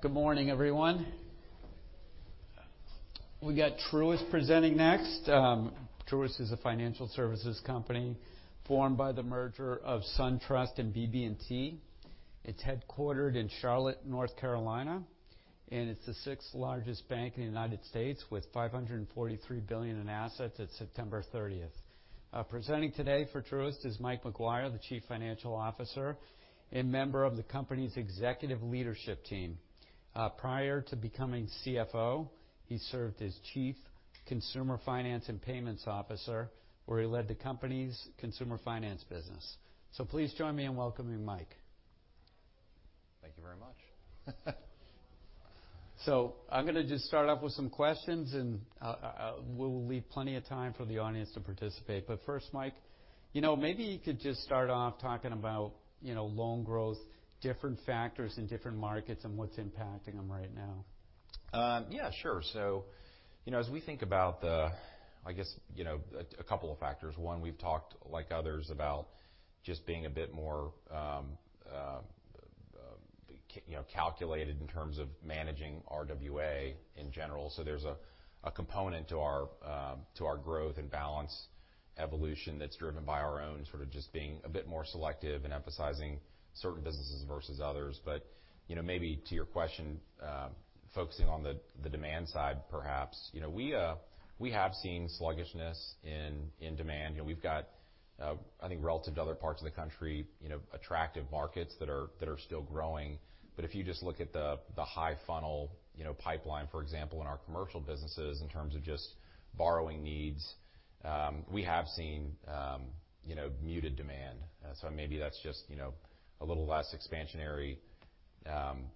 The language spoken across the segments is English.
Good morning, everyone. We got Truist presenting next. Truist is a financial services company formed by the merger of SunTrust and BB&T. It's headquartered in Charlotte, North Carolina, and it's the sixth largest bank in the United States, with $543 billion in assets at September 30th. Presenting today for Truist is Mike Maguire, the Chief Financial Officer and member of the company's executive leadership team. Prior to becoming CFO, he served as Chief Consumer Finance and Payments Officer, where he led the company's consumer finance business. So please join me in welcoming Mike. Thank you very much. I'm gonna just start off with some questions, and we'll leave plenty of time for the audience to participate. But first, Mike, you know, maybe you could just start off talking about, you know, loan growth, different factors in different markets, and what's impacting them right now. Yeah, sure. So, you know, as we think about the... I guess, you know, a couple of factors. One, we've talked, like others, about just being a bit more, you know, calculated in terms of managing RWA in general. So there's a component to our, to our growth and balance evolution that's driven by our own sort of just being a bit more selective and emphasizing certain businesses versus others. But, you know, maybe to your question, focusing on the demand side, perhaps, you know, we have seen sluggishness in demand. You know, we've got, I think, relative to other parts of the country, you know, attractive markets that are still growing. But if you just look at the high funnel, you know, pipeline, for example, in our commercial businesses, in terms of just borrowing needs, we have seen, you know, muted demand. So maybe that's just, you know, a little less expansionary,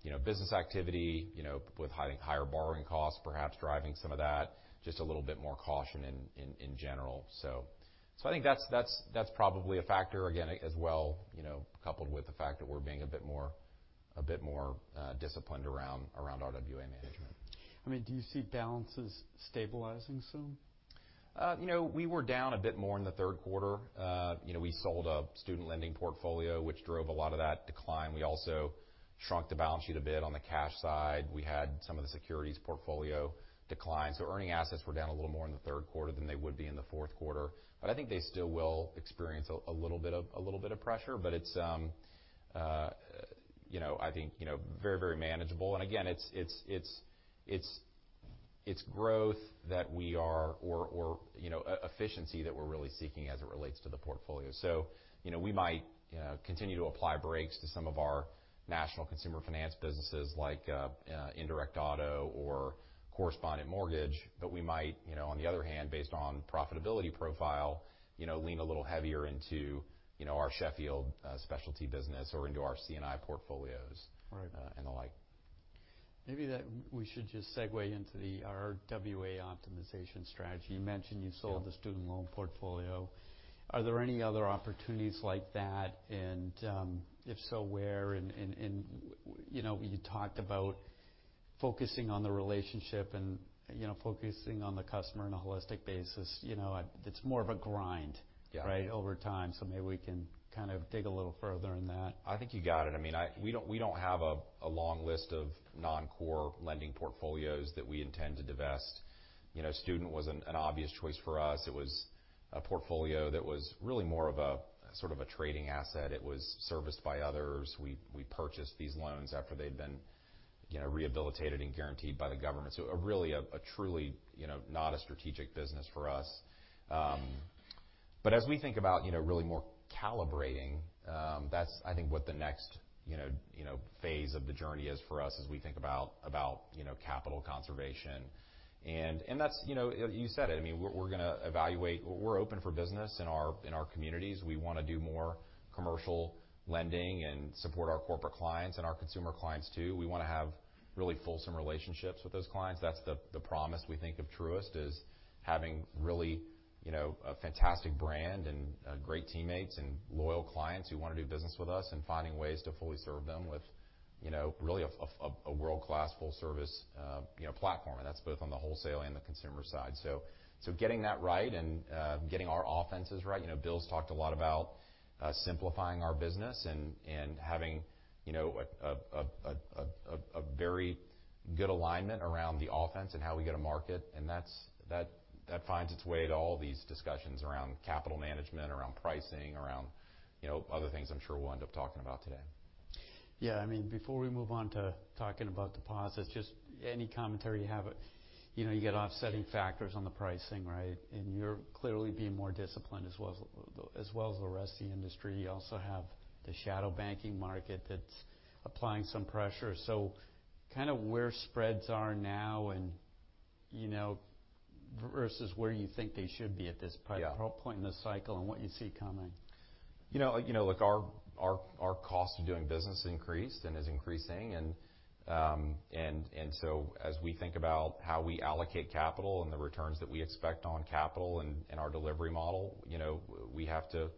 you know, business activity, you know, with higher borrowing costs, perhaps driving some of that, just a little bit more caution in general. So I think that's probably a factor again, as well, you know, coupled with the fact that we're being a bit more, a bit more disciplined around RWA management. I mean, do you see balances stabilizing soon? You know, we were down a bit more in the Q3. You know, we sold a student lending portfolio, which drove a lot of that decline. We also shrunk the balance sheet a bit on the cash side. We had some of the securities portfolio decline, so earning assets were down a little more in the Q3 than they would be in the Q4. But I think they still will experience a little bit of pressure, but it's, you know, I think, you know, very, very manageable. And again, it's growth that we are, you know, efficiency that we're really seeking as it relates to the portfolio. So, you know, we might continue to apply brakes to some of our national consumer finance businesses, like indirect auto or correspondent mortgage, but we might, you know, on the other hand, based on profitability profile, you know, lean a little heavier into, you know, our Sheffield specialty business or into our C&I portfolios- Right. and the like. Maybe that we should just segue into the RWA optimization strategy. You mentioned you sold- Yeah. -the student loan portfolio. Are there any other opportunities like that? And, if so, where, and, you know, you talked about focusing on the relationship and, you know, focusing on the customer on a holistic basis. You know, it's more of a grind- Yeah. Right, over time. So maybe we can kind of dig a little further in that. I think you got it. I mean, we don't have a long list of non-core lending portfolios that we intend to divest. You know, student was an obvious choice for us. It was a portfolio that was really more of a sort of a trading asset. It was serviced by others. We purchased these loans after they'd been, you know, rehabilitated and guaranteed by the government. So a really truly, you know, not a strategic business for us. But as we think about, you know, really more calibrating, that's, I think, what the next, you know, phase of the journey is for us as we think about, about, you know, capital conservation. And that's, you know, you said it, I mean, we're gonna evaluate... We're open for business in our, in our communities. We want to do more commercial lending and support our corporate clients and our consumer clients, too. We want to have really fulsome relationships with those clients. That's the promise we think of Truist, is having really, you know, a fantastic brand and great teammates and loyal clients who want to do business with us, and finding ways to fully serve them with, you know, really a world-class, full service, you know, platform. And that's both on the wholesale and the consumer side. So, getting that right and getting our offenses right. You know, Bill's talked a lot about simplifying our business and having, you know, a very good alignment around the offense and how we go to market, and that finds its way to all these discussions around capital management, around pricing, around, you know, other things I'm sure we'll end up talking about today. Yeah. I mean, before we move on to talking about deposits, just any commentary you have. You know, you get offsetting factors on the pricing, right? And you're clearly being more disciplined, as well as the rest of the industry. You also have the shadow banking market that's applying some pressure. So kind of where spreads are now and, you know, versus where you think they should be at this point- Yeah point in the cycle and what you see coming. You know, look, our cost of doing business increased and is increasing. And so as we think about how we allocate capital and the returns that we expect on capital and our delivery model, you know, we have to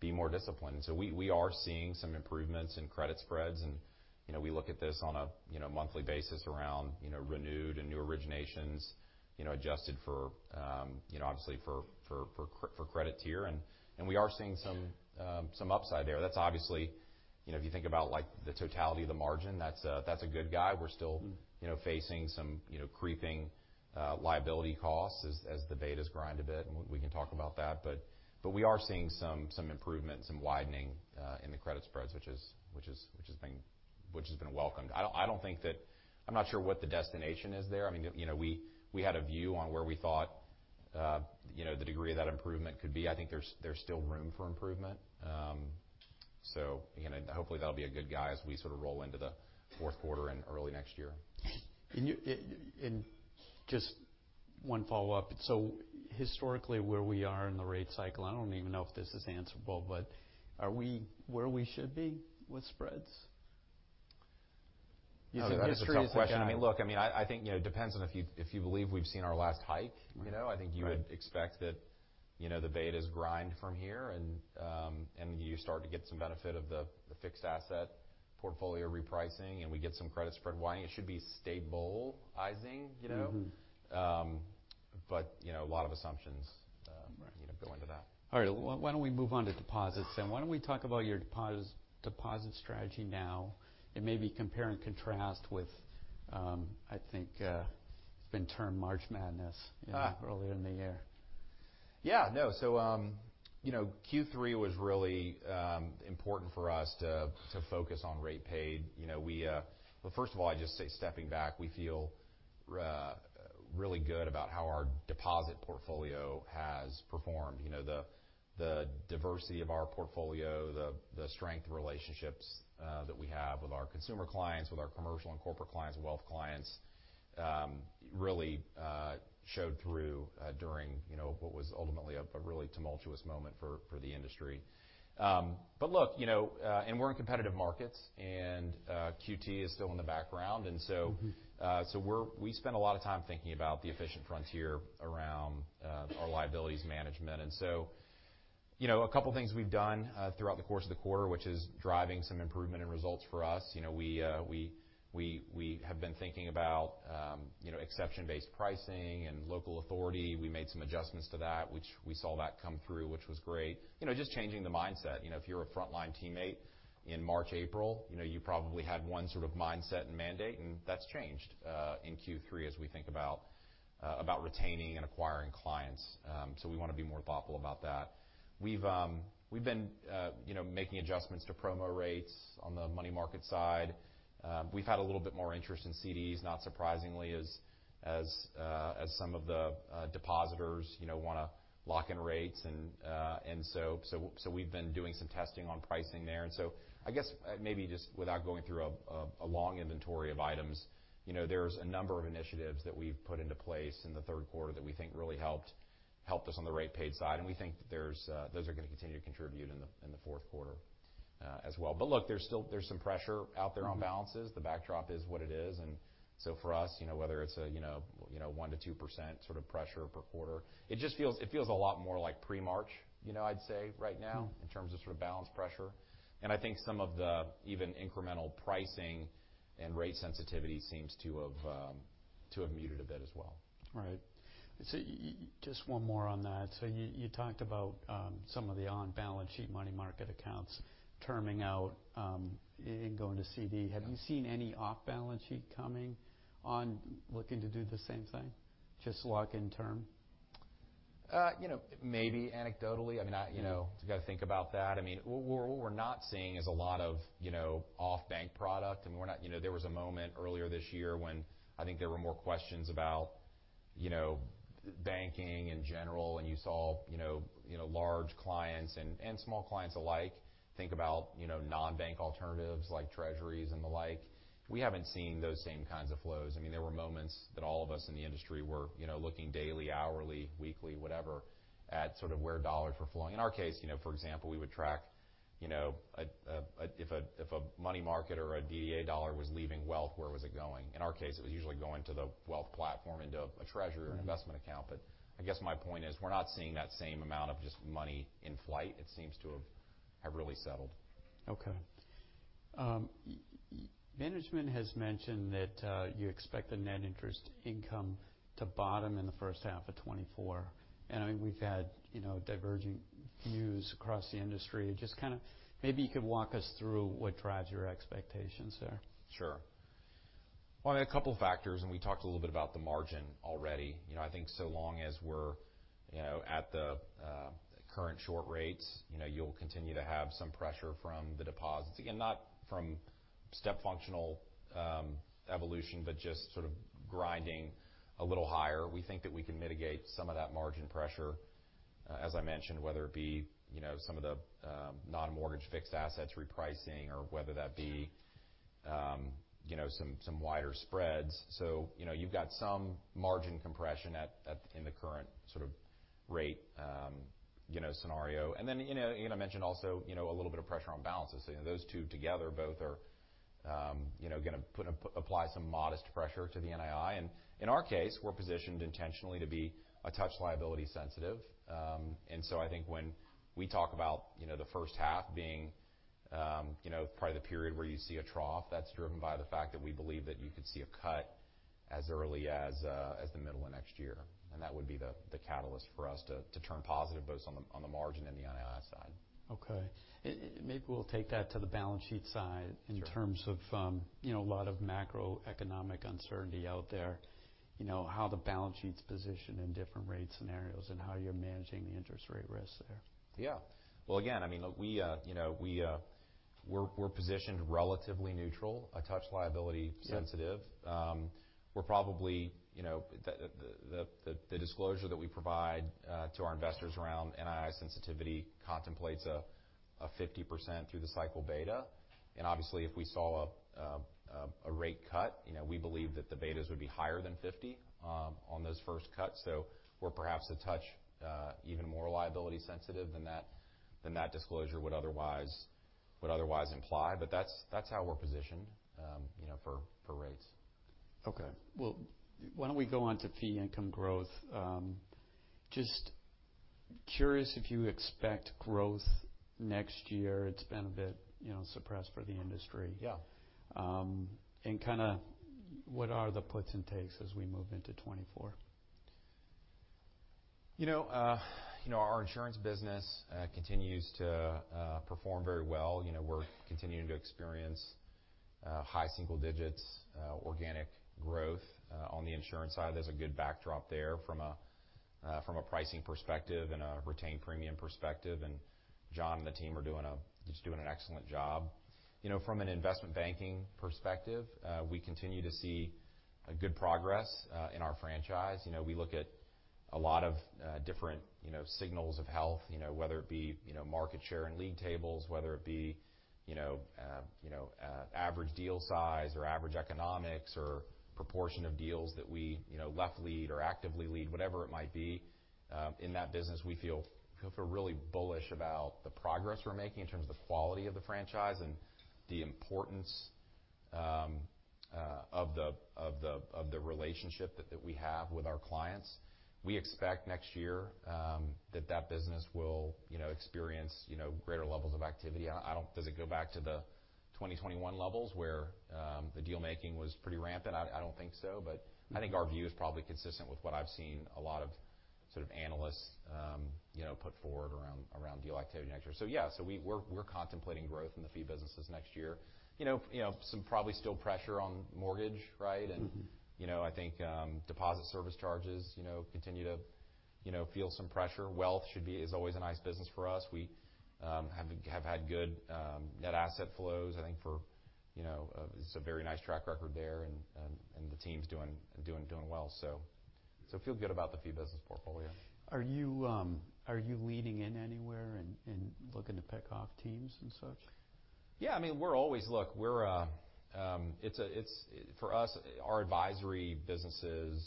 be more disciplined. So we are seeing some improvements in credit spreads, and you know, we look at this on a you know, monthly basis around you know, renewed and new originations, you know, adjusted for you know, obviously for credit tier. And we are seeing some upside there. That's obviously... You know, if you think about, like, the totality of the margin, that's a good guy. We're still- Mm You know, facing some, you know, creeping liability costs as the betas grind a bit, and we can talk about that. But we are seeing some improvement, some widening in the credit spreads, which is, which has been welcomed. I don't think that—I'm not sure what the destination is there. I mean, you know, we had a view on where we thought, you know, the degree of that improvement could be. I think there's still room for improvement. So, you know, hopefully that'll be a good guy as we sort of roll into the Q4 and early next year. And just one follow-up. So historically, where we are in the rate cycle, I don't even know if this is answerable, but are we where we should be with spreads? Oh, that's a tough question. I mean, look, I mean, I, I think, you know, it depends on if you, if you believe we've seen our last hike, you know? Right. I think you would expect that, you know, the betas grind from here, and you start to get some benefit of the fixed asset portfolio repricing, and we get some credit spread widening. It should be stabilizing, you know? Mm-hmm. you know, a lot of assumptions Right... you know, go into that. All right. Well, why don't we move on to deposits then? Why don't we talk about your deposit, deposit strategy now, and maybe compare and contrast with, I think, it's been termed March Madness- Ah! earlier in the year. Yeah, no. So, you know, Q3 was really important for us to focus on rate paid. You know, well, first of all, I'd just say, stepping back, we feel really good about how our deposit portfolio has performed. You know, the diversity of our portfolio, the strength of relationships that we have with our consumer clients, with our commercial and corporate clients, wealth clients, really showed through during, you know, what was ultimately a really tumultuous moment for the industry. But look, you know, and we're in competitive markets, and QT is still in the background. Mm-hmm. So, we spend a lot of time thinking about the efficient frontier around our liabilities management. So, you know, a couple things we've done throughout the course of the quarter, which is driving some improvement in results for us. You know, we have been thinking about, you know, exception-based pricing and local authority. We made some adjustments to that, which we saw that come through, which was great. You know, just changing the mindset. You know, if you're a frontline teammate in March, April, you know, you probably had one sort of mindset and mandate, and that's changed in Q3 as we think about retaining and acquiring clients. So we want to be more thoughtful about that. We've been, you know, making adjustments to promo rates on the money market side. We've had a little bit more interest in CDs, not surprisingly, as some of the depositors, you know, want to lock in rates. And so we've been doing some testing on pricing there. And so I guess maybe just without going through a long inventory of items, you know, there's a number of initiatives that we've put into place in the Q3 that we think really helped us on the rate paid side, and we think that those are going to continue to contribute in the Q4 as well. But look, there's still some pressure out there on balances. Mm-hmm. The backdrop is what it is. And so for us, you know, whether it's a, you know, you know, 1%-2% sort of pressure per quarter, it just feels—it feels a lot more like pre-March, you know, I'd say right now. Mm... in terms of sort of balance pressure. And I think some of the even incremental pricing and rate sensitivity seems to have muted a bit as well. Right. So just one more on that. So you, you talked about, some of the on-balance sheet money market accounts terming out, and going to CD. Yeah. Have you seen any off-balance sheet coming on looking to do the same thing, just lock in term? You know, maybe anecdotally. I mean, you know, I've got to think about that. I mean, what we're not seeing is a lot of, you know, off-bank product, and we're not. You know, there was a moment earlier this year when I think there were more questions about, you know, banking in general, and you saw, you know, large clients and small clients alike think about, you know, non-bank alternatives like treasuries and the like. We haven't seen those same kinds of flows. I mean, there were moments that all of us in the industry were, you know, looking daily, hourly, weekly, whatever, at sort of where dollars were flowing. In our case, you know, for example, we would track, you know, if a money market or a DDA dollar was leaving wealth, where was it going? In our case, it was usually going to the wealth platform into a treasury- Mm-hmm... or investment account. But I guess my point is, we're not seeing that same amount of just money in flight. It seems to have really settled. Okay. Management has mentioned that you expect the net interest income to bottom in the H1 of 2024. And, I mean, we've had, you know, diverging views across the industry. Just kind of maybe you could walk us through what drives your expectations there. Sure. Well, a couple factors, and we talked a little bit about the margin already. You know, I think so long as we're, you know, at the current short rates, you know, you'll continue to have some pressure from the deposits. Again, not from step-function evolution, but just sort of grinding a little higher. We think that we can mitigate some of that margin pressure, as I mentioned, whether it be, you know, some of the non-mortgage fixed assets repricing or whether that be, you know, some wider spreads. So, you know, you've got some margin compression in the current sort of rate scenario. And then, you know, I mentioned also, you know, a little bit of pressure on balances. So those two together both are, you know, going to put, apply some modest pressure to the NII. And in our case, we're positioned intentionally to be a touch liability sensitive. And so I think when we talk about, you know, the H1 being, you know, probably the period where you see a trough, that's driven by the fact that we believe that you could see a cut as early as as the middle of next year, and that would be the catalyst for us to turn positive, both on the margin and the NII side. Okay. Maybe we'll take that to the balance sheet side- Sure. In terms of, you know, a lot of macroeconomic uncertainty out there. You know, how the balance sheet's positioned in different rate scenarios and how you're managing the interest rate risks there? Yeah. Well, again, I mean, look, we, you know, we, we're, we're positioned relatively neutral, a touch liability- Yeah... sensitive. We're probably, you know, the disclosure that we provide to our investors around NII sensitivity contemplates a 50% through the cycle beta. And obviously, if we saw a rate cut, you know, we believe that the betas would be higher than 50 on those first cuts. So we're perhaps a touch even more liability sensitive than that disclosure would otherwise imply, but that's how we're positioned, you know, for rates. Okay. Well, why don't we go on to fee income growth? Just curious if you expect growth next year. It's been a bit, you know, suppressed for the industry. Yeah. Kind of, what are the puts and takes as we move into 2024? You know, you know, our insurance business continues to perform very well. You know, we're continuing to experience high single digits organic growth. On the insurance side, there's a good backdrop there from a pricing perspective and a retained premium perspective, and John and the team are just doing an excellent job. You know, from an investment banking perspective, we continue to see a good progress in our franchise. You know, we look at a lot of different signals of health, you know, whether it be market share and league tables, whether it be you know, average deal size or average economics or proportion of deals that we you know, lead or actively lead, whatever it might be. In that business, we feel really bullish about the progress we're making in terms of the quality of the franchise and the importance of the relationship that we have with our clients. We expect next year that business will, you know, experience, you know, greater levels of activity. I don't. Does it go back to the 2021 levels, where the deal making was pretty rampant? I don't think so, but I think our view is probably consistent with what I've seen a lot of sort of analysts, you know, put forward around deal activity next year. So, yeah, we're contemplating growth in the fee businesses next year. You know, some probably still pressure on mortgage, right? Mm-hmm. You know, I think deposit service charges you know continue to you know feel some pressure. Wealth should be, is always a nice business for us. We have had good net asset flows, I think, for you know it's a very nice track record there, and the team's doing well. So I feel good about the fee business portfolio. Are you leading in anywhere and looking to pick off teams and such? Yeah. I mean, we're always... Look, we're. For us, our advisory businesses,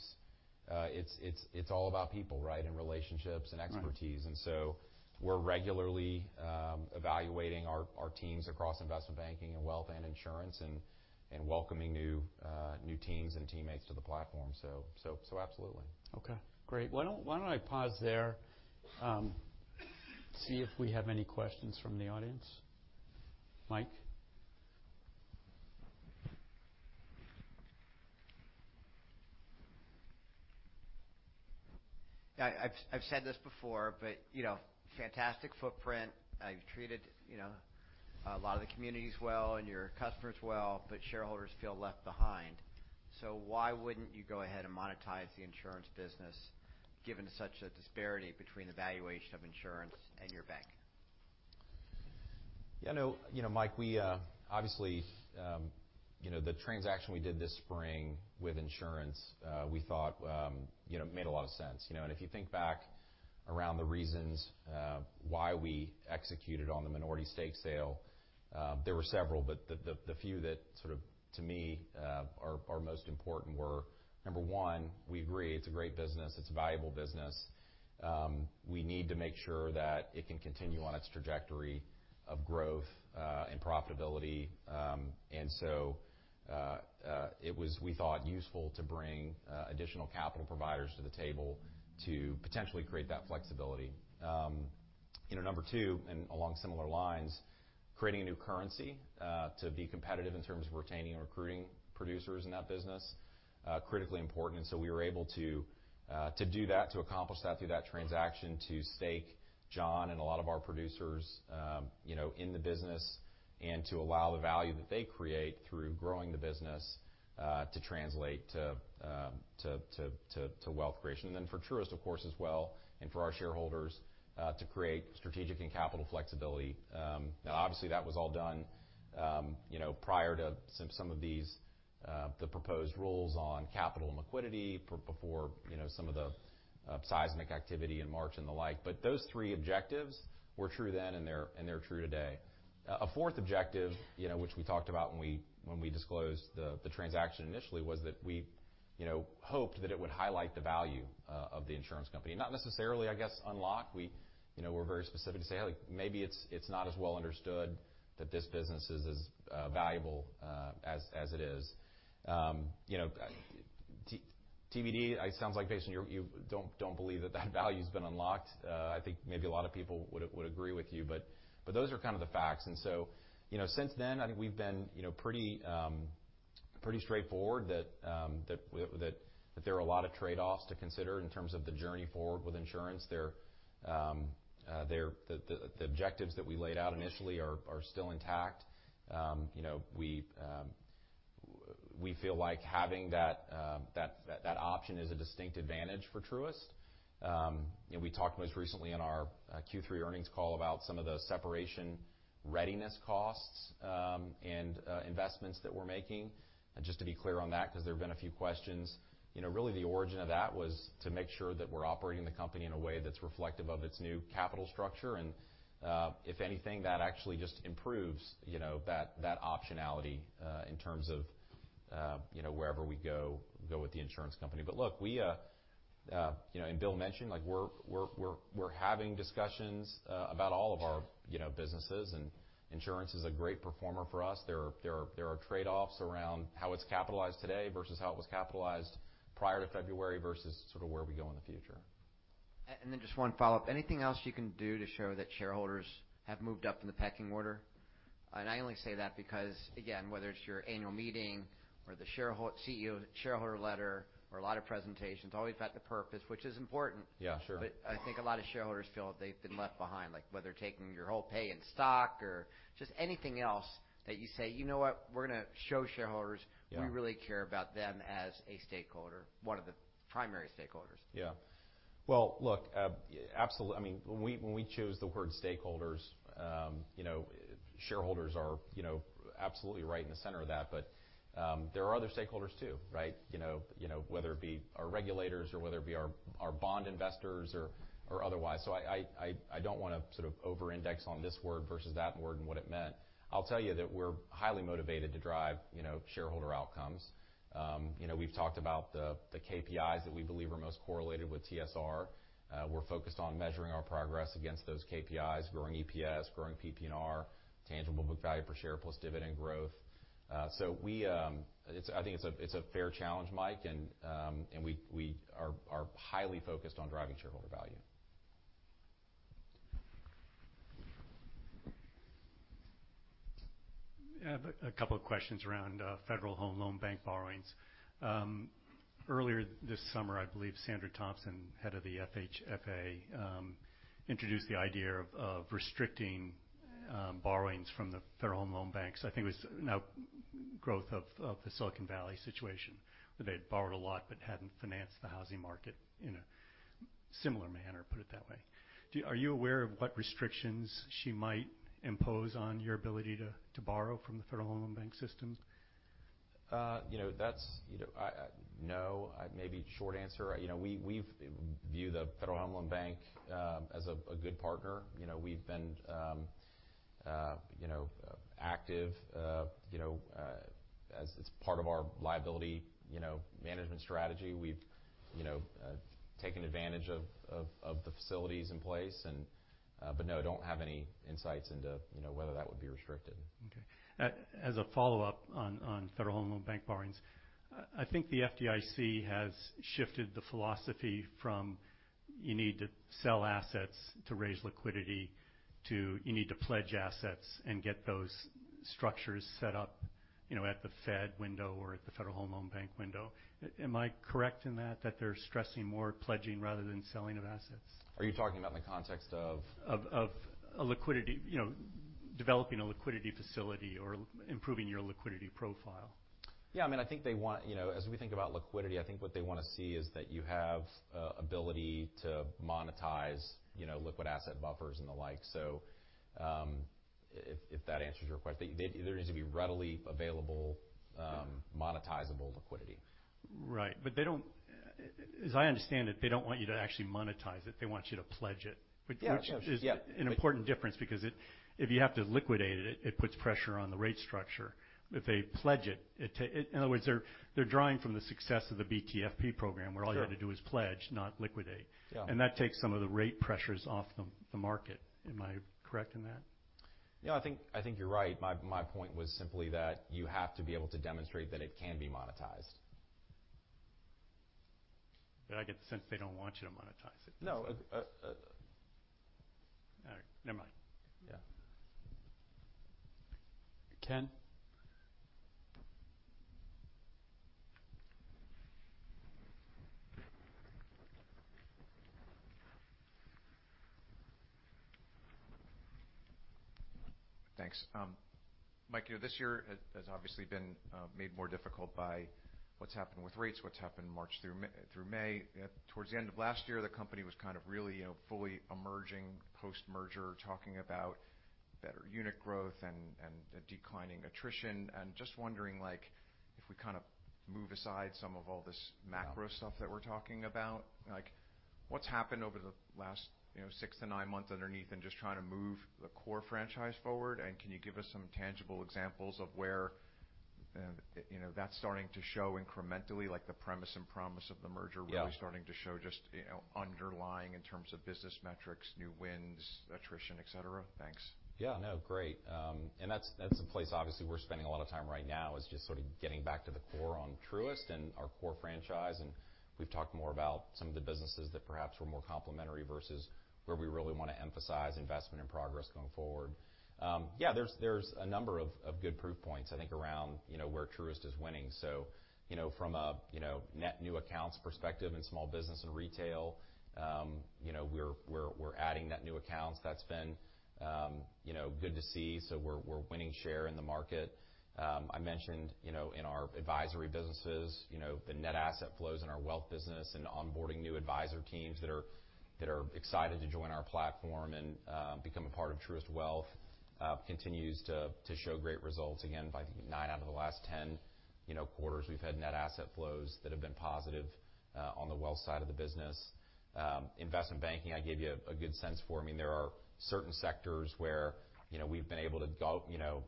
it's all about people, right, and relationships and expertise. Right. And so we're regularly evaluating our teams across investment banking and wealth and insurance and welcoming new teams and teammates to the platform. So absolutely. Okay. Great. Why don't I pause there, see if we have any questions from the audience. Mike? Yeah, I've said this before, but, you know, fantastic footprint. You treated, you know, a lot of the communities well and your customers well, but shareholders feel left behind. So why wouldn't you go ahead and monetize the insurance business, given such a disparity between the valuation of insurance and your bank? Yeah, no, you know, Mike, we obviously, you know, the transaction we did this spring with insurance, we thought, you know, made a lot of sense, you know? And if you think back around the reasons why we executed on the minority stake sale, there were several, but the few that sort of, to me, are most important were, number one, we agree it's a great business, it's a valuable business. We need to make sure that it can continue on its trajectory of growth and profitability. And so, it was, we thought, useful to bring additional capital providers to the table to potentially create that flexibility. You know, number two, and along similar lines, creating a new currency to be competitive in terms of retaining and recruiting producers in that business, critically important, and so we were able to do that, to accomplish that through that transaction, to stake John and a lot of our producers, you know, in the business, and to allow the value that they create through growing the business to translate to wealth creation. And then for Truist, of course, as well, and for our shareholders to create strategic and capital flexibility. Now, obviously, that was all done, you know, prior to some of these the proposed rules on capital and liquidity before, you know, some of the seismic activity in March and the like. But those three objectives were true then, and they're true today. A fourth objective, you know, which we talked about when we disclosed the transaction initially, was that we, you know, hoped that it would highlight the value of the insurance company. Not necessarily, I guess, unlock. We, you know, were very specific to say, like, "Maybe it's not as well understood that this business is as valuable as it is." You know, TBD, it sounds like, Jason, you don't believe that that value's been unlocked. I think maybe a lot of people would agree with you, but those are kind of the facts. And so, you know, since then, I think we've been, you know, pretty straightforward that there are a lot of trade-offs to consider in terms of the journey forward with insurance. The objectives that we laid out initially are still intact. You know, we feel like having that option is a distinct advantage for Truist. And we talked most recently in our Q3 earnings call about some of the separation readiness costs and investments that we're making. And just to be clear on that, because there have been a few questions, you know, really the origin of that was to make sure that we're operating the company in a way that's reflective of its new capital structure. If anything, that actually just improves, you know, that optionality in terms of, you know, wherever we go with the insurance company. But look, we, you know, and Bill mentioned, like, we're having discussions about all of our, you know, businesses, and insurance is a great performer for us. There are trade-offs around how it's capitalized today versus how it was capitalized prior to February versus sort of where we go in the future. And then just one follow-up. Anything else you can do to show that shareholders have moved up in the pecking order? And I only say that because, again, whether it's your annual meeting or the CEO shareholder letter or a lot of presentations, always about the purpose, which is important. Yeah, sure. But I think a lot of shareholders feel that they've been left behind, like whether taking your whole pay in stock or just anything else that you say, "You know what? We're going to show shareholders- Yeah... we really care about them as a stakeholder, one of the primary stakeholders. Yeah. Well, look, absolutely. I mean, when we, when we chose the word "stakeholders," you know, shareholders are, you know, absolutely right in the center of that, but, there are other stakeholders, too, right? You know, you know, whether it be our regulators or whether it be our, our bond investors or, or otherwise. So I don't want to sort of overindex on this word versus that word and what it meant. I'll tell you that we're highly motivated to drive, you know, shareholder outcomes. You know, we've talked about the, the KPIs that we believe are most correlated with TSR. We're focused on measuring our progress against those KPIs, growing EPS, growing PPNR, tangible book value per share, plus dividend growth. So we... It's, I think it's a fair challenge, Mike, and we are highly focused on driving shareholder value. Yeah, but a couple of questions around Federal Home Loan Bank borrowings. Earlier this summer, I believe Sandra Thompson, head of the FHFA, introduced the idea of restricting borrowings from the Federal Home Loan Banks. I think it was now growth of the Silicon Valley situation, where they had borrowed a lot but hadn't financed the housing market in a similar manner, put it that way. Are you aware of what restrictions she might impose on your ability to borrow from the Federal Home Loan Bank systems? You know, that's, you know, I... No, maybe short answer. You know, we've view the Federal Home Loan Bank as a good partner. You know, we've been, you know, you know, as it's part of our liability, you know, management strategy. We've, you know, taken advantage of the facilities in place and... But no, I don't have any insights into, you know, whether that would be restricted. Okay. As a follow-up on Federal Home Loan Bank borrowings, I think the FDIC has shifted the philosophy from you need to sell assets to raise liquidity, to you need to pledge assets and get those structures set up, you know, at the Fed window or at the Federal Home Loan Bank window. Am I correct in that, that they're stressing more pledging rather than selling of assets? Are you talking about in the context of- Of a liquidity, you know, developing a liquidity facility or improving your liquidity profile? Yeah, I mean, I think they want, you know, as we think about liquidity, I think what they want to see is that you have ability to monetize, you know, liquid asset buffers and the like. So, if that answers your question, they, there needs to be readily available monetizable liquidity. Right. But they don't... As I understand it, they don't want you to actually monetize it. They want you to pledge it. Yeah. Yeah. Which is an important difference because if you have to liquidate it, it puts pressure on the rate structure. If they pledge it, it takes. In other words, they're drawing from the success of the BTFP program. Sure... where all you had to do is pledge, not liquidate. Yeah. That takes some of the rate pressures off the market. Am I correct in that? Yeah, I think, I think you're right. My, my point was simply that you have to be able to demonstrate that it can be monetized. But I get the sense they don't want you to monetize it. No, All right, never mind. Yeah. Ken? Thanks. Mike, you know, this year has obviously been made more difficult by what's happened with rates, what's happened March through May. Towards the end of last year, the company was kind of really, you know, fully emerging post-merger, talking about better unit growth and declining attrition. And just wondering, like, if we kind of move aside some of all this macro stuff- Yeah... that we're talking about, like, what's happened over the last, you know, 6-9 months underneath and just trying to move the core franchise forward? And can you give us some tangible examples of where-... and, you know, that's starting to show incrementally, like the premise and promise of the merger- Yeah. Really starting to show just, you know, underlying in terms of business metrics, new wins, attrition, et cetera? Thanks. Yeah, no, great. And that's a place, obviously, we're spending a lot of time right now, is just sort of getting back to the core on Truist and our core franchise. And we've talked more about some of the businesses that perhaps were more complementary versus where we really want to emphasize investment and progress going forward. Yeah, there's a number of good proof points, I think, around, you know, where Truist is winning. So, you know, from a net new accounts perspective and small business and retail, you know, we're adding net new accounts. That's been good to see. So we're winning share in the market. I mentioned, you know, in our advisory businesses, you know, the net asset flows in our wealth business and onboarding new advisor teams that are excited to join our platform and become a part of Truist Wealth continues to show great results again by nine out of the last 10 quarters. We've had net asset flows that have been positive on the wealth side of the business. Investment banking, I gave you a good sense for. I mean, there are certain sectors where, you know, we've been able to go, you know,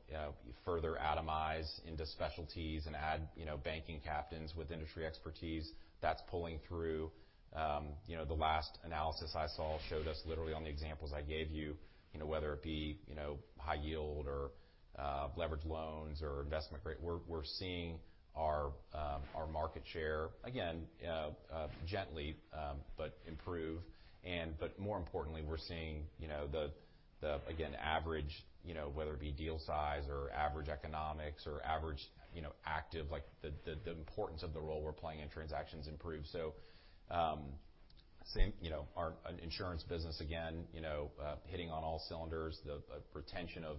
further atomize into specialties and add, you know, banking captains with industry expertise. That's pulling through. You know, the last analysis I saw showed us literally on the examples I gave you, you know, whether it be, you know, high yield or, leverage loans or investment grade. We're seeing our market share again, gently, but improve. But more importantly, we're seeing, you know, the, again, average, you know, whether it be deal size or average economics or average, you know, active, like, the importance of the role we're playing in transactions improve. So, same, you know, our insurance business, again, you know, hitting on all cylinders. The retention of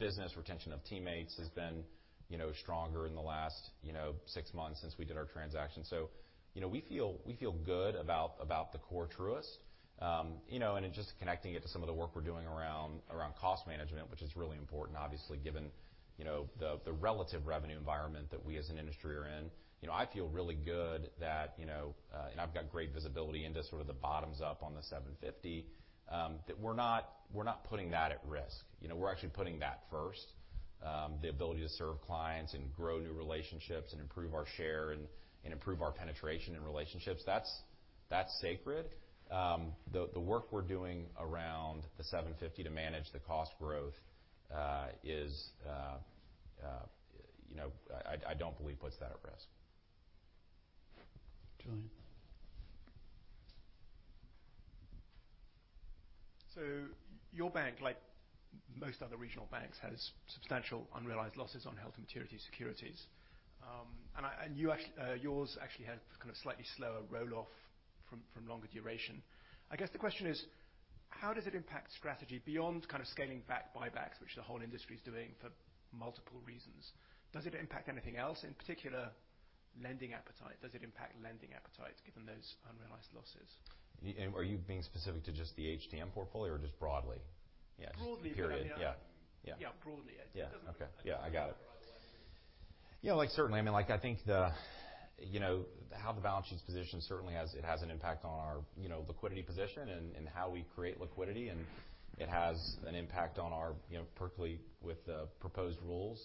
business, retention of teammates has been, you know, stronger in the last, you know, six months since we did our transaction. So you know, we feel good about the core Truist. You know, and just connecting it to some of the work we're doing around cost management, which is really important obviously, given you know the relative revenue environment that we as an industry are in. You know, I feel really good that you know. I've got great visibility into sort of the bottoms up on the $750, that we're not putting that at risk. You know, we're actually putting that first. The ability to serve clients and grow new relationships and improve our share and improve our penetration and relationships, that's sacred. The work we're doing around the $750 to manage the cost growth is you know I don't believe puts that at risk. Julian. So your bank, like most other regional banks, has substantial unrealized losses on held-to-maturity securities. And you actually, yours actually had kind of slightly slower roll off from longer duration. I guess the question is: how does it impact strategy beyond kind of scaling back buybacks, which the whole industry is doing for multiple reasons? Does it impact anything else, in particular, lending appetite? Does it impact lending appetite, given those unrealized losses? Are you being specific to just the HTM portfolio or just broadly? Broadly. Yeah. Yeah. Yeah, broadly. Yeah. Okay. Yeah, I got it. Yeah, like, certainly, I mean, like, I think the, you know, how the balance sheet position certainly has, it has an impact on our, you know, liquidity position and, and how we create liquidity, and it has an impact on our, you know, particularly with the proposed rules,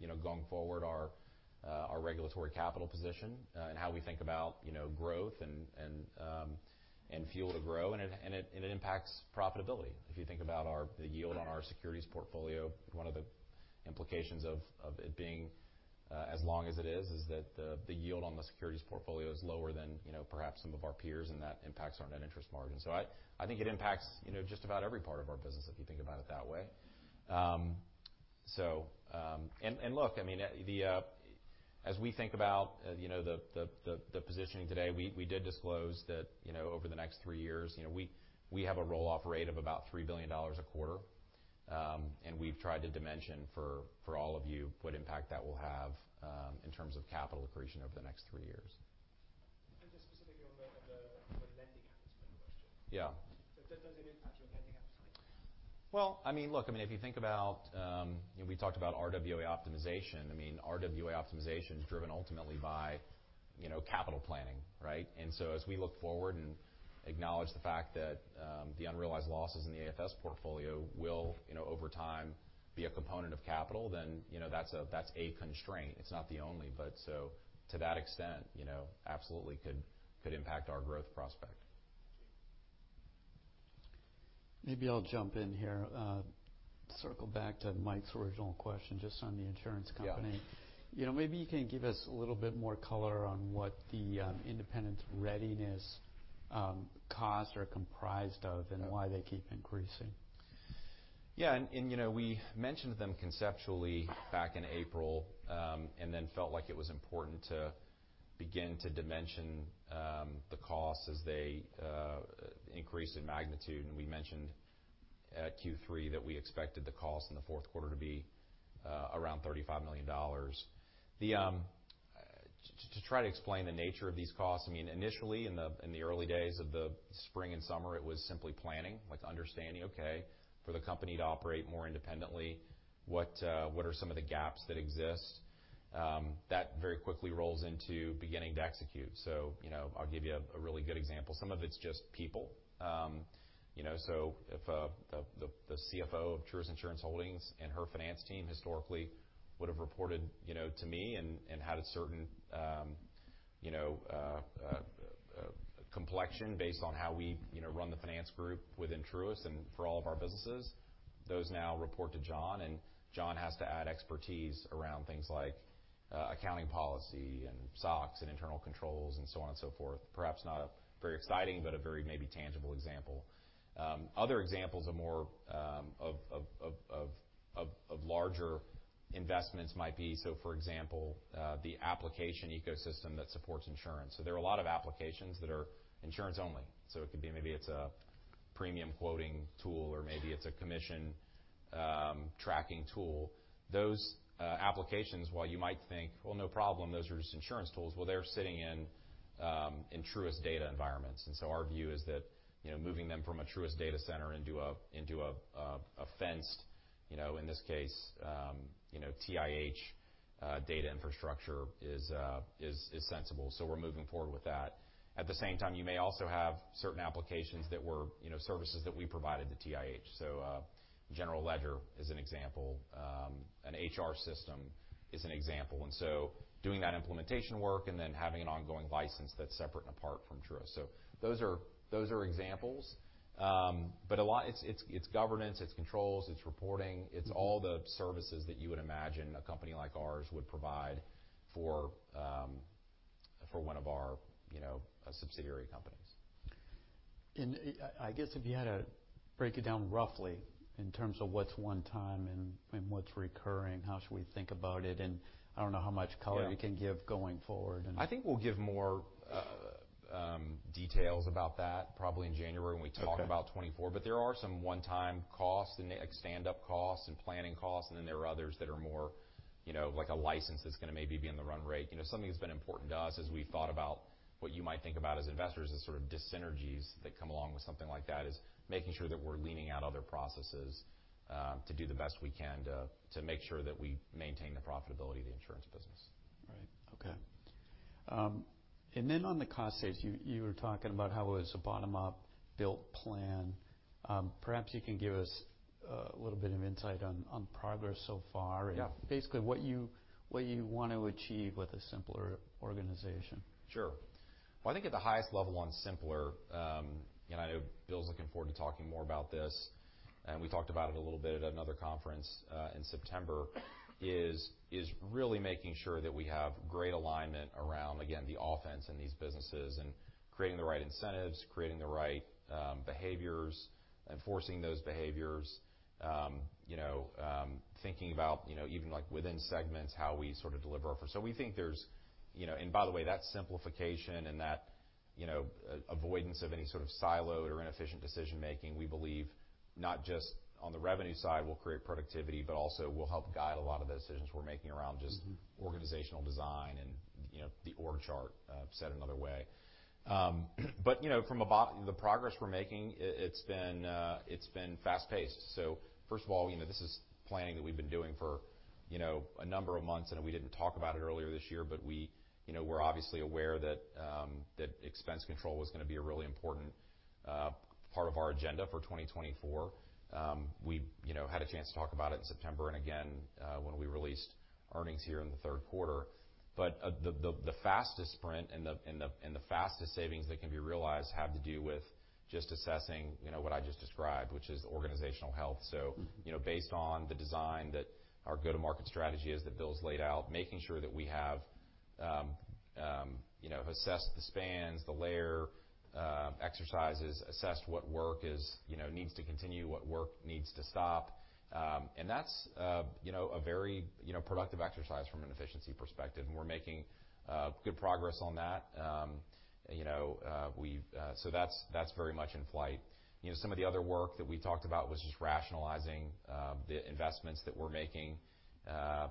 you know, going forward, our, our regulatory capital position, and how we think about, you know, growth and, and, and fuel to grow. And it, and it, and it impacts profitability. If you think about our, the yield on our securities portfolio, one of the implications of, of it being, as long as it is, is that the, the yield on the securities portfolio is lower than, you know, perhaps some of our peers, and that impacts our net interest margin. So I think it impacts, you know, just about every part of our business, if you think about it that way. And look, I mean, as we think about, you know, the positioning today, we did disclose that, you know, over the next three years, you know, we have a roll-off rate of about $3 billion a quarter. And we've tried to dimension for all of you what impact that will have in terms of capital accretion over the next three years. Just specifically on the lending question. Yeah. Does it impact your lending appetite? Well, I mean, look, I mean, if you think about, we talked about RWA optimization. I mean, RWA optimization is driven ultimately by, you know, capital planning, right? And so as we look forward and acknowledge the fact that, the unrealized losses in the AFS portfolio will, you know, over time, be a component of capital, then, you know, that's a, that's a constraint. It's not the only, but so to that extent, you know, absolutely could, could impact our growth prospect. Maybe I'll jump in here. Circle back to Mike's original question, just on the insurance company. Yeah. You know, maybe you can give us a little bit more color on what the independent readiness costs are comprised of? Yeah. and why they keep increasing. Yeah, and you know, we mentioned them conceptually back in April, and then felt like it was important to begin to dimension the costs as they increase in magnitude. And we mentioned at Q3 that we expected the cost in the Q4 to be around $35 million. To try to explain the nature of these costs, I mean, initially, in the early days of the spring and summer, it was simply planning, like understanding, okay, for the company to operate more independently, what are some of the gaps that exist? That very quickly rolls into beginning to execute. So, you know, I'll give you a really good example. Some of it's just people. You know, so if the CFO of Truist Insurance Holdings and her finance team historically-... would have reported, you know, to me, and had a certain, you know, complexion based on how we, you know, run the finance group within Truist and for all of our businesses. Those now report to John, and John has to add expertise around things like accounting policy and SOX and internal controls, and so on and so forth. Perhaps not a very exciting, but a very maybe tangible example. Other examples of more of larger investments might be, so, for example, the application ecosystem that supports insurance. So there are a lot of applications that are insurance only, so it could be maybe it's a premium quoting tool, or maybe it's a commission tracking tool. Those applications, while you might think, "Well, no problem, those are just insurance tools," well, they're sitting in Truist data environments. And so our view is that, you know, moving them from a Truist data center into a fenced, you know, in this case, TIH data infrastructure is sensible, so we're moving forward with that. At the same time, you may also have certain applications that were, you know, services that we provided to TIH. So, general ledger is an example. An HR system is an example, and so doing that implementation work and then having an ongoing license that's separate and apart from Truist. So those are examples. But a lot—it's governance, it's controls, it's reporting, it's all the services that you would imagine a company like ours would provide for one of our, you know, subsidiary companies. I, I guess if you had to break it down roughly in terms of what's one time and what's recurring, how should we think about it? I don't know how much color- Yeah... you can give going forward, and- I think we'll give more details about that probably in January when we talk- Okay... about 2024. But there are some one-time costs, and they're standup costs and planning costs, and then there are others that are more, you know, like a license that's gonna maybe be in the run rate. You know, something that's been important to us as we've thought about what you might think about as investors, is sort of dyssynergies that come along with something like that, is making sure that we're leaning out other processes, to do the best we can to make sure that we maintain the profitability of the insurance business. Right. Okay. And then on the cost saves, you were talking about how it was a bottom-up built plan. Perhaps you can give us a little bit of insight on progress so far, and- Yeah... basically, what you want to achieve with a simpler organization. Sure. Well, I think at the highest level, on simpler, and I know Bill's looking forward to talking more about this, and we talked about it a little bit at another conference, in September, is really making sure that we have great alignment around, again, the offense in these businesses, and creating the right incentives, creating the right, behaviors, enforcing those behaviors. You know, thinking about, you know, even, like, within segments, how we sort of deliver our service. So we think there's, you know... And by the way, that simplification and that, you know, avoidance of any sort of siloed or inefficient decision making, we believe, not just on the revenue side, will create productivity, but also will help guide a lot of the decisions we're making around- Mm-hmm... just organizational design and, you know, the org chart, said another way. But, you know, from the progress we're making, it's been fast-paced. So first of all, you know, this is planning that we've been doing for, you know, a number of months, and we didn't talk about it earlier this year, but we, you know, we're obviously aware that that expense control was gonna be a really important part of our agenda for 2024. We, you know, had a chance to talk about it in September and again, when we released earnings here in the Q3. But, the fastest sprint and the fastest savings that can be realized have to do with just assessing, you know, what I just described, which is organizational health. So- Mm-hmm... you know, based on the design that our go-to-market strategy is, that Bill's laid out, making sure that we have, you know, assessed the spans, the layer, exercises, assessed what work is, you know, needs to continue, what work needs to stop. That's, you know, a very, you know, productive exercise from an efficiency perspective, and we're making good progress on that. You know... So that's, that's very much in flight. You know, some of the other work that we talked about was just rationalizing the investments that we're making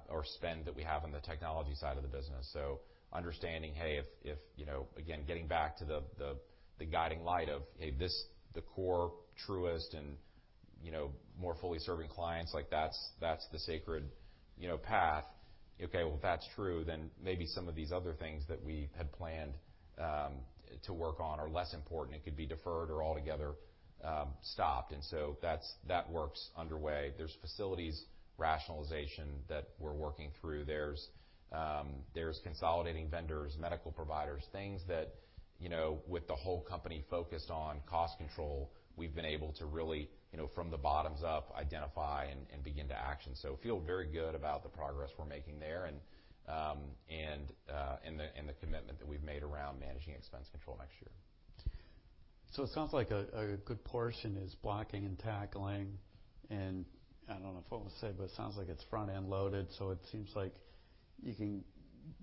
or spend that we have on the technology side of the business. So understanding, hey, if, you know, again, getting back to the guiding light of, hey, this, the core Truist and, you know, more fully serving clients, like, that's the sacred, you know, path. Okay, well, if that's true, then maybe some of these other things that we had planned to work on are less important. It could be deferred or altogether stopped, and so that's, that work's underway. There's facilities rationalization that we're working through. There's consolidating vendors, medical providers, things that, you know, with the whole company focused on cost control, we've been able to really, you know, from the bottoms up, identify and begin to action. So feel very good about the progress we're making there and the commitment that we've made around managing expense control next year. So it sounds like a good portion is blocking and tackling, and I don't know what else to say, but it sounds like it's front-end loaded, so it seems like you can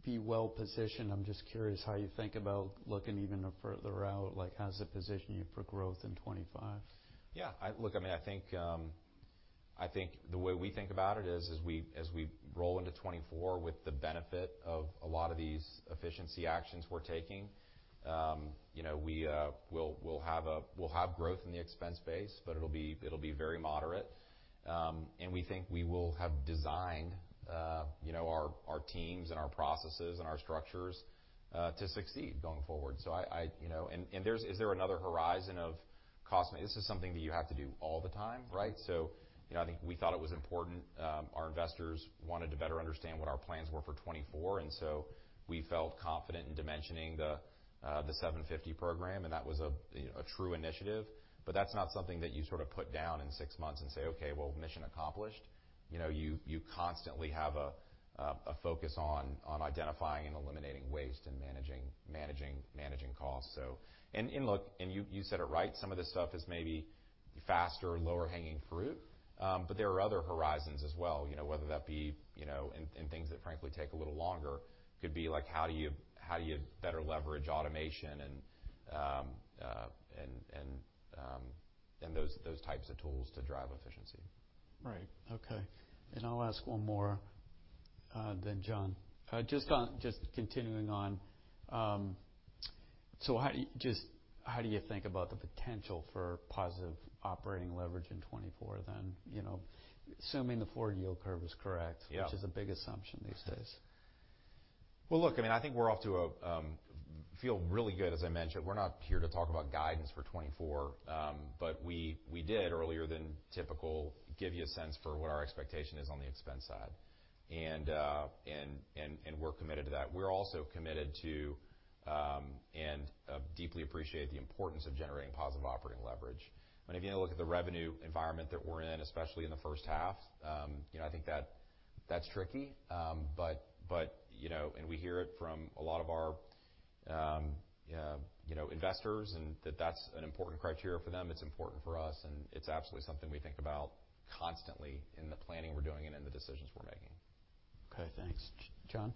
be well-positioned. I'm just curious how you think about looking even further out, like, how does it position you for growth in 2025? Yeah. Look, I mean, I think the way we think about it is, as we roll into 2024 with the benefit of a lot of these efficiency actions we're taking, you know, we'll have growth in the expense base, but it'll be very moderate. And we think we will have designed, you know, our teams and our processes and our structures to succeed going forward. So I, you know, and there's, is there another horizon of cost? This is something that you have to do all the time, right? So, you know, I think we thought it was important. Our investors wanted to better understand what our plans were for 2024, and so we felt confident in dimensioning the $750 program, and that was a, you know, a true initiative. But that's not something that you sort of put down in six months and say, "Okay, well, mission accomplished." You know, you constantly have a focus on identifying and eliminating waste and managing costs. So, and look, and you said it right, some of this stuff is maybe faster and low-hanging fruit, but there are other horizons as well, you know, whether that be, you know, and things that frankly take a little longer. Could be like, how do you better leverage automation and those types of tools to drive efficiency? Right. Okay, and I'll ask one more than John. Just on—just continuing on, so how do you... Just how do you think about the potential for positive operating leverage in 2024, then? You know, assuming the forward yield curve is correct- Yeah. which is a big assumption these days. Well, look, I mean, I think we're off to a feel really good. As I mentioned, we're not here to talk about guidance for 2024, but we did earlier than typical, give you a sense for what our expectation is on the expense side. And we're committed to that. We're also committed to and deeply appreciate the importance of generating positive operating leverage. I mean, if you look at the revenue environment that we're in, especially in the H1, you know, I think that that's tricky. But you know, and we hear it from a lot of our you know, investors, and that that's an important criteria for them. It's important for us, and it's absolutely something we think about constantly in the planning we're doing and in the decisions we're making. Okay, thanks. John?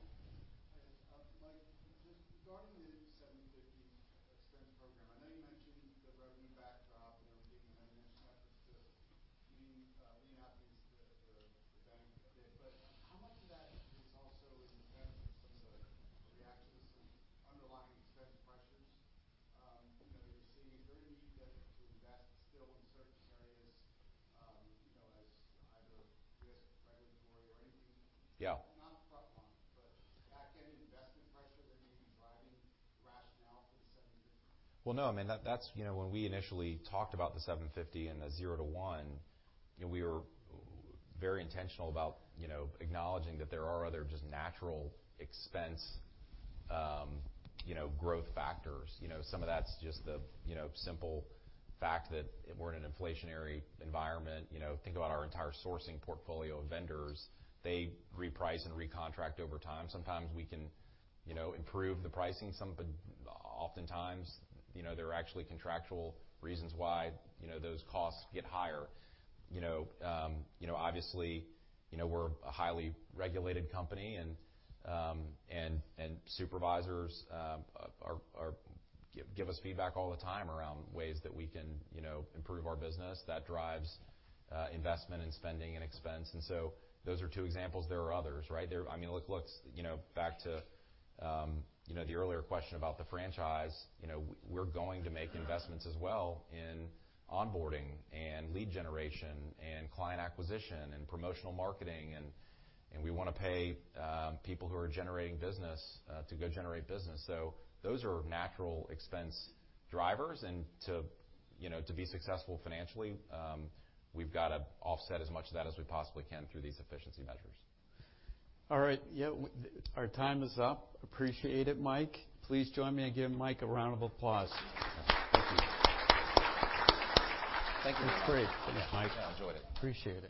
you know, there are actually contractual reasons why, you know, those costs get higher. You know, obviously, you know, we're a highly regulated company, and supervisors are give us feedback all the time around ways that we can, you know, improve our business. That drives investment in spending and expense, and so those are two examples. There are others, right? I mean, look, look, you know, back to, you know, the earlier question about the franchise. You know, we're going to make investments as well in onboarding and lead generation, and client acquisition, and promotional marketing, and, and we want to pay people who are generating business to go generate business. So those are natural expense drivers. And to, you know, to be successful financially, we've got to offset as much of that as we possibly can through these efficiency measures. All right. Yeah, our time is up. Appreciate it, Mike. Please join me and give Mike a round of applause. Thank you. It was great. Yeah, I enjoyed it. Appreciate it.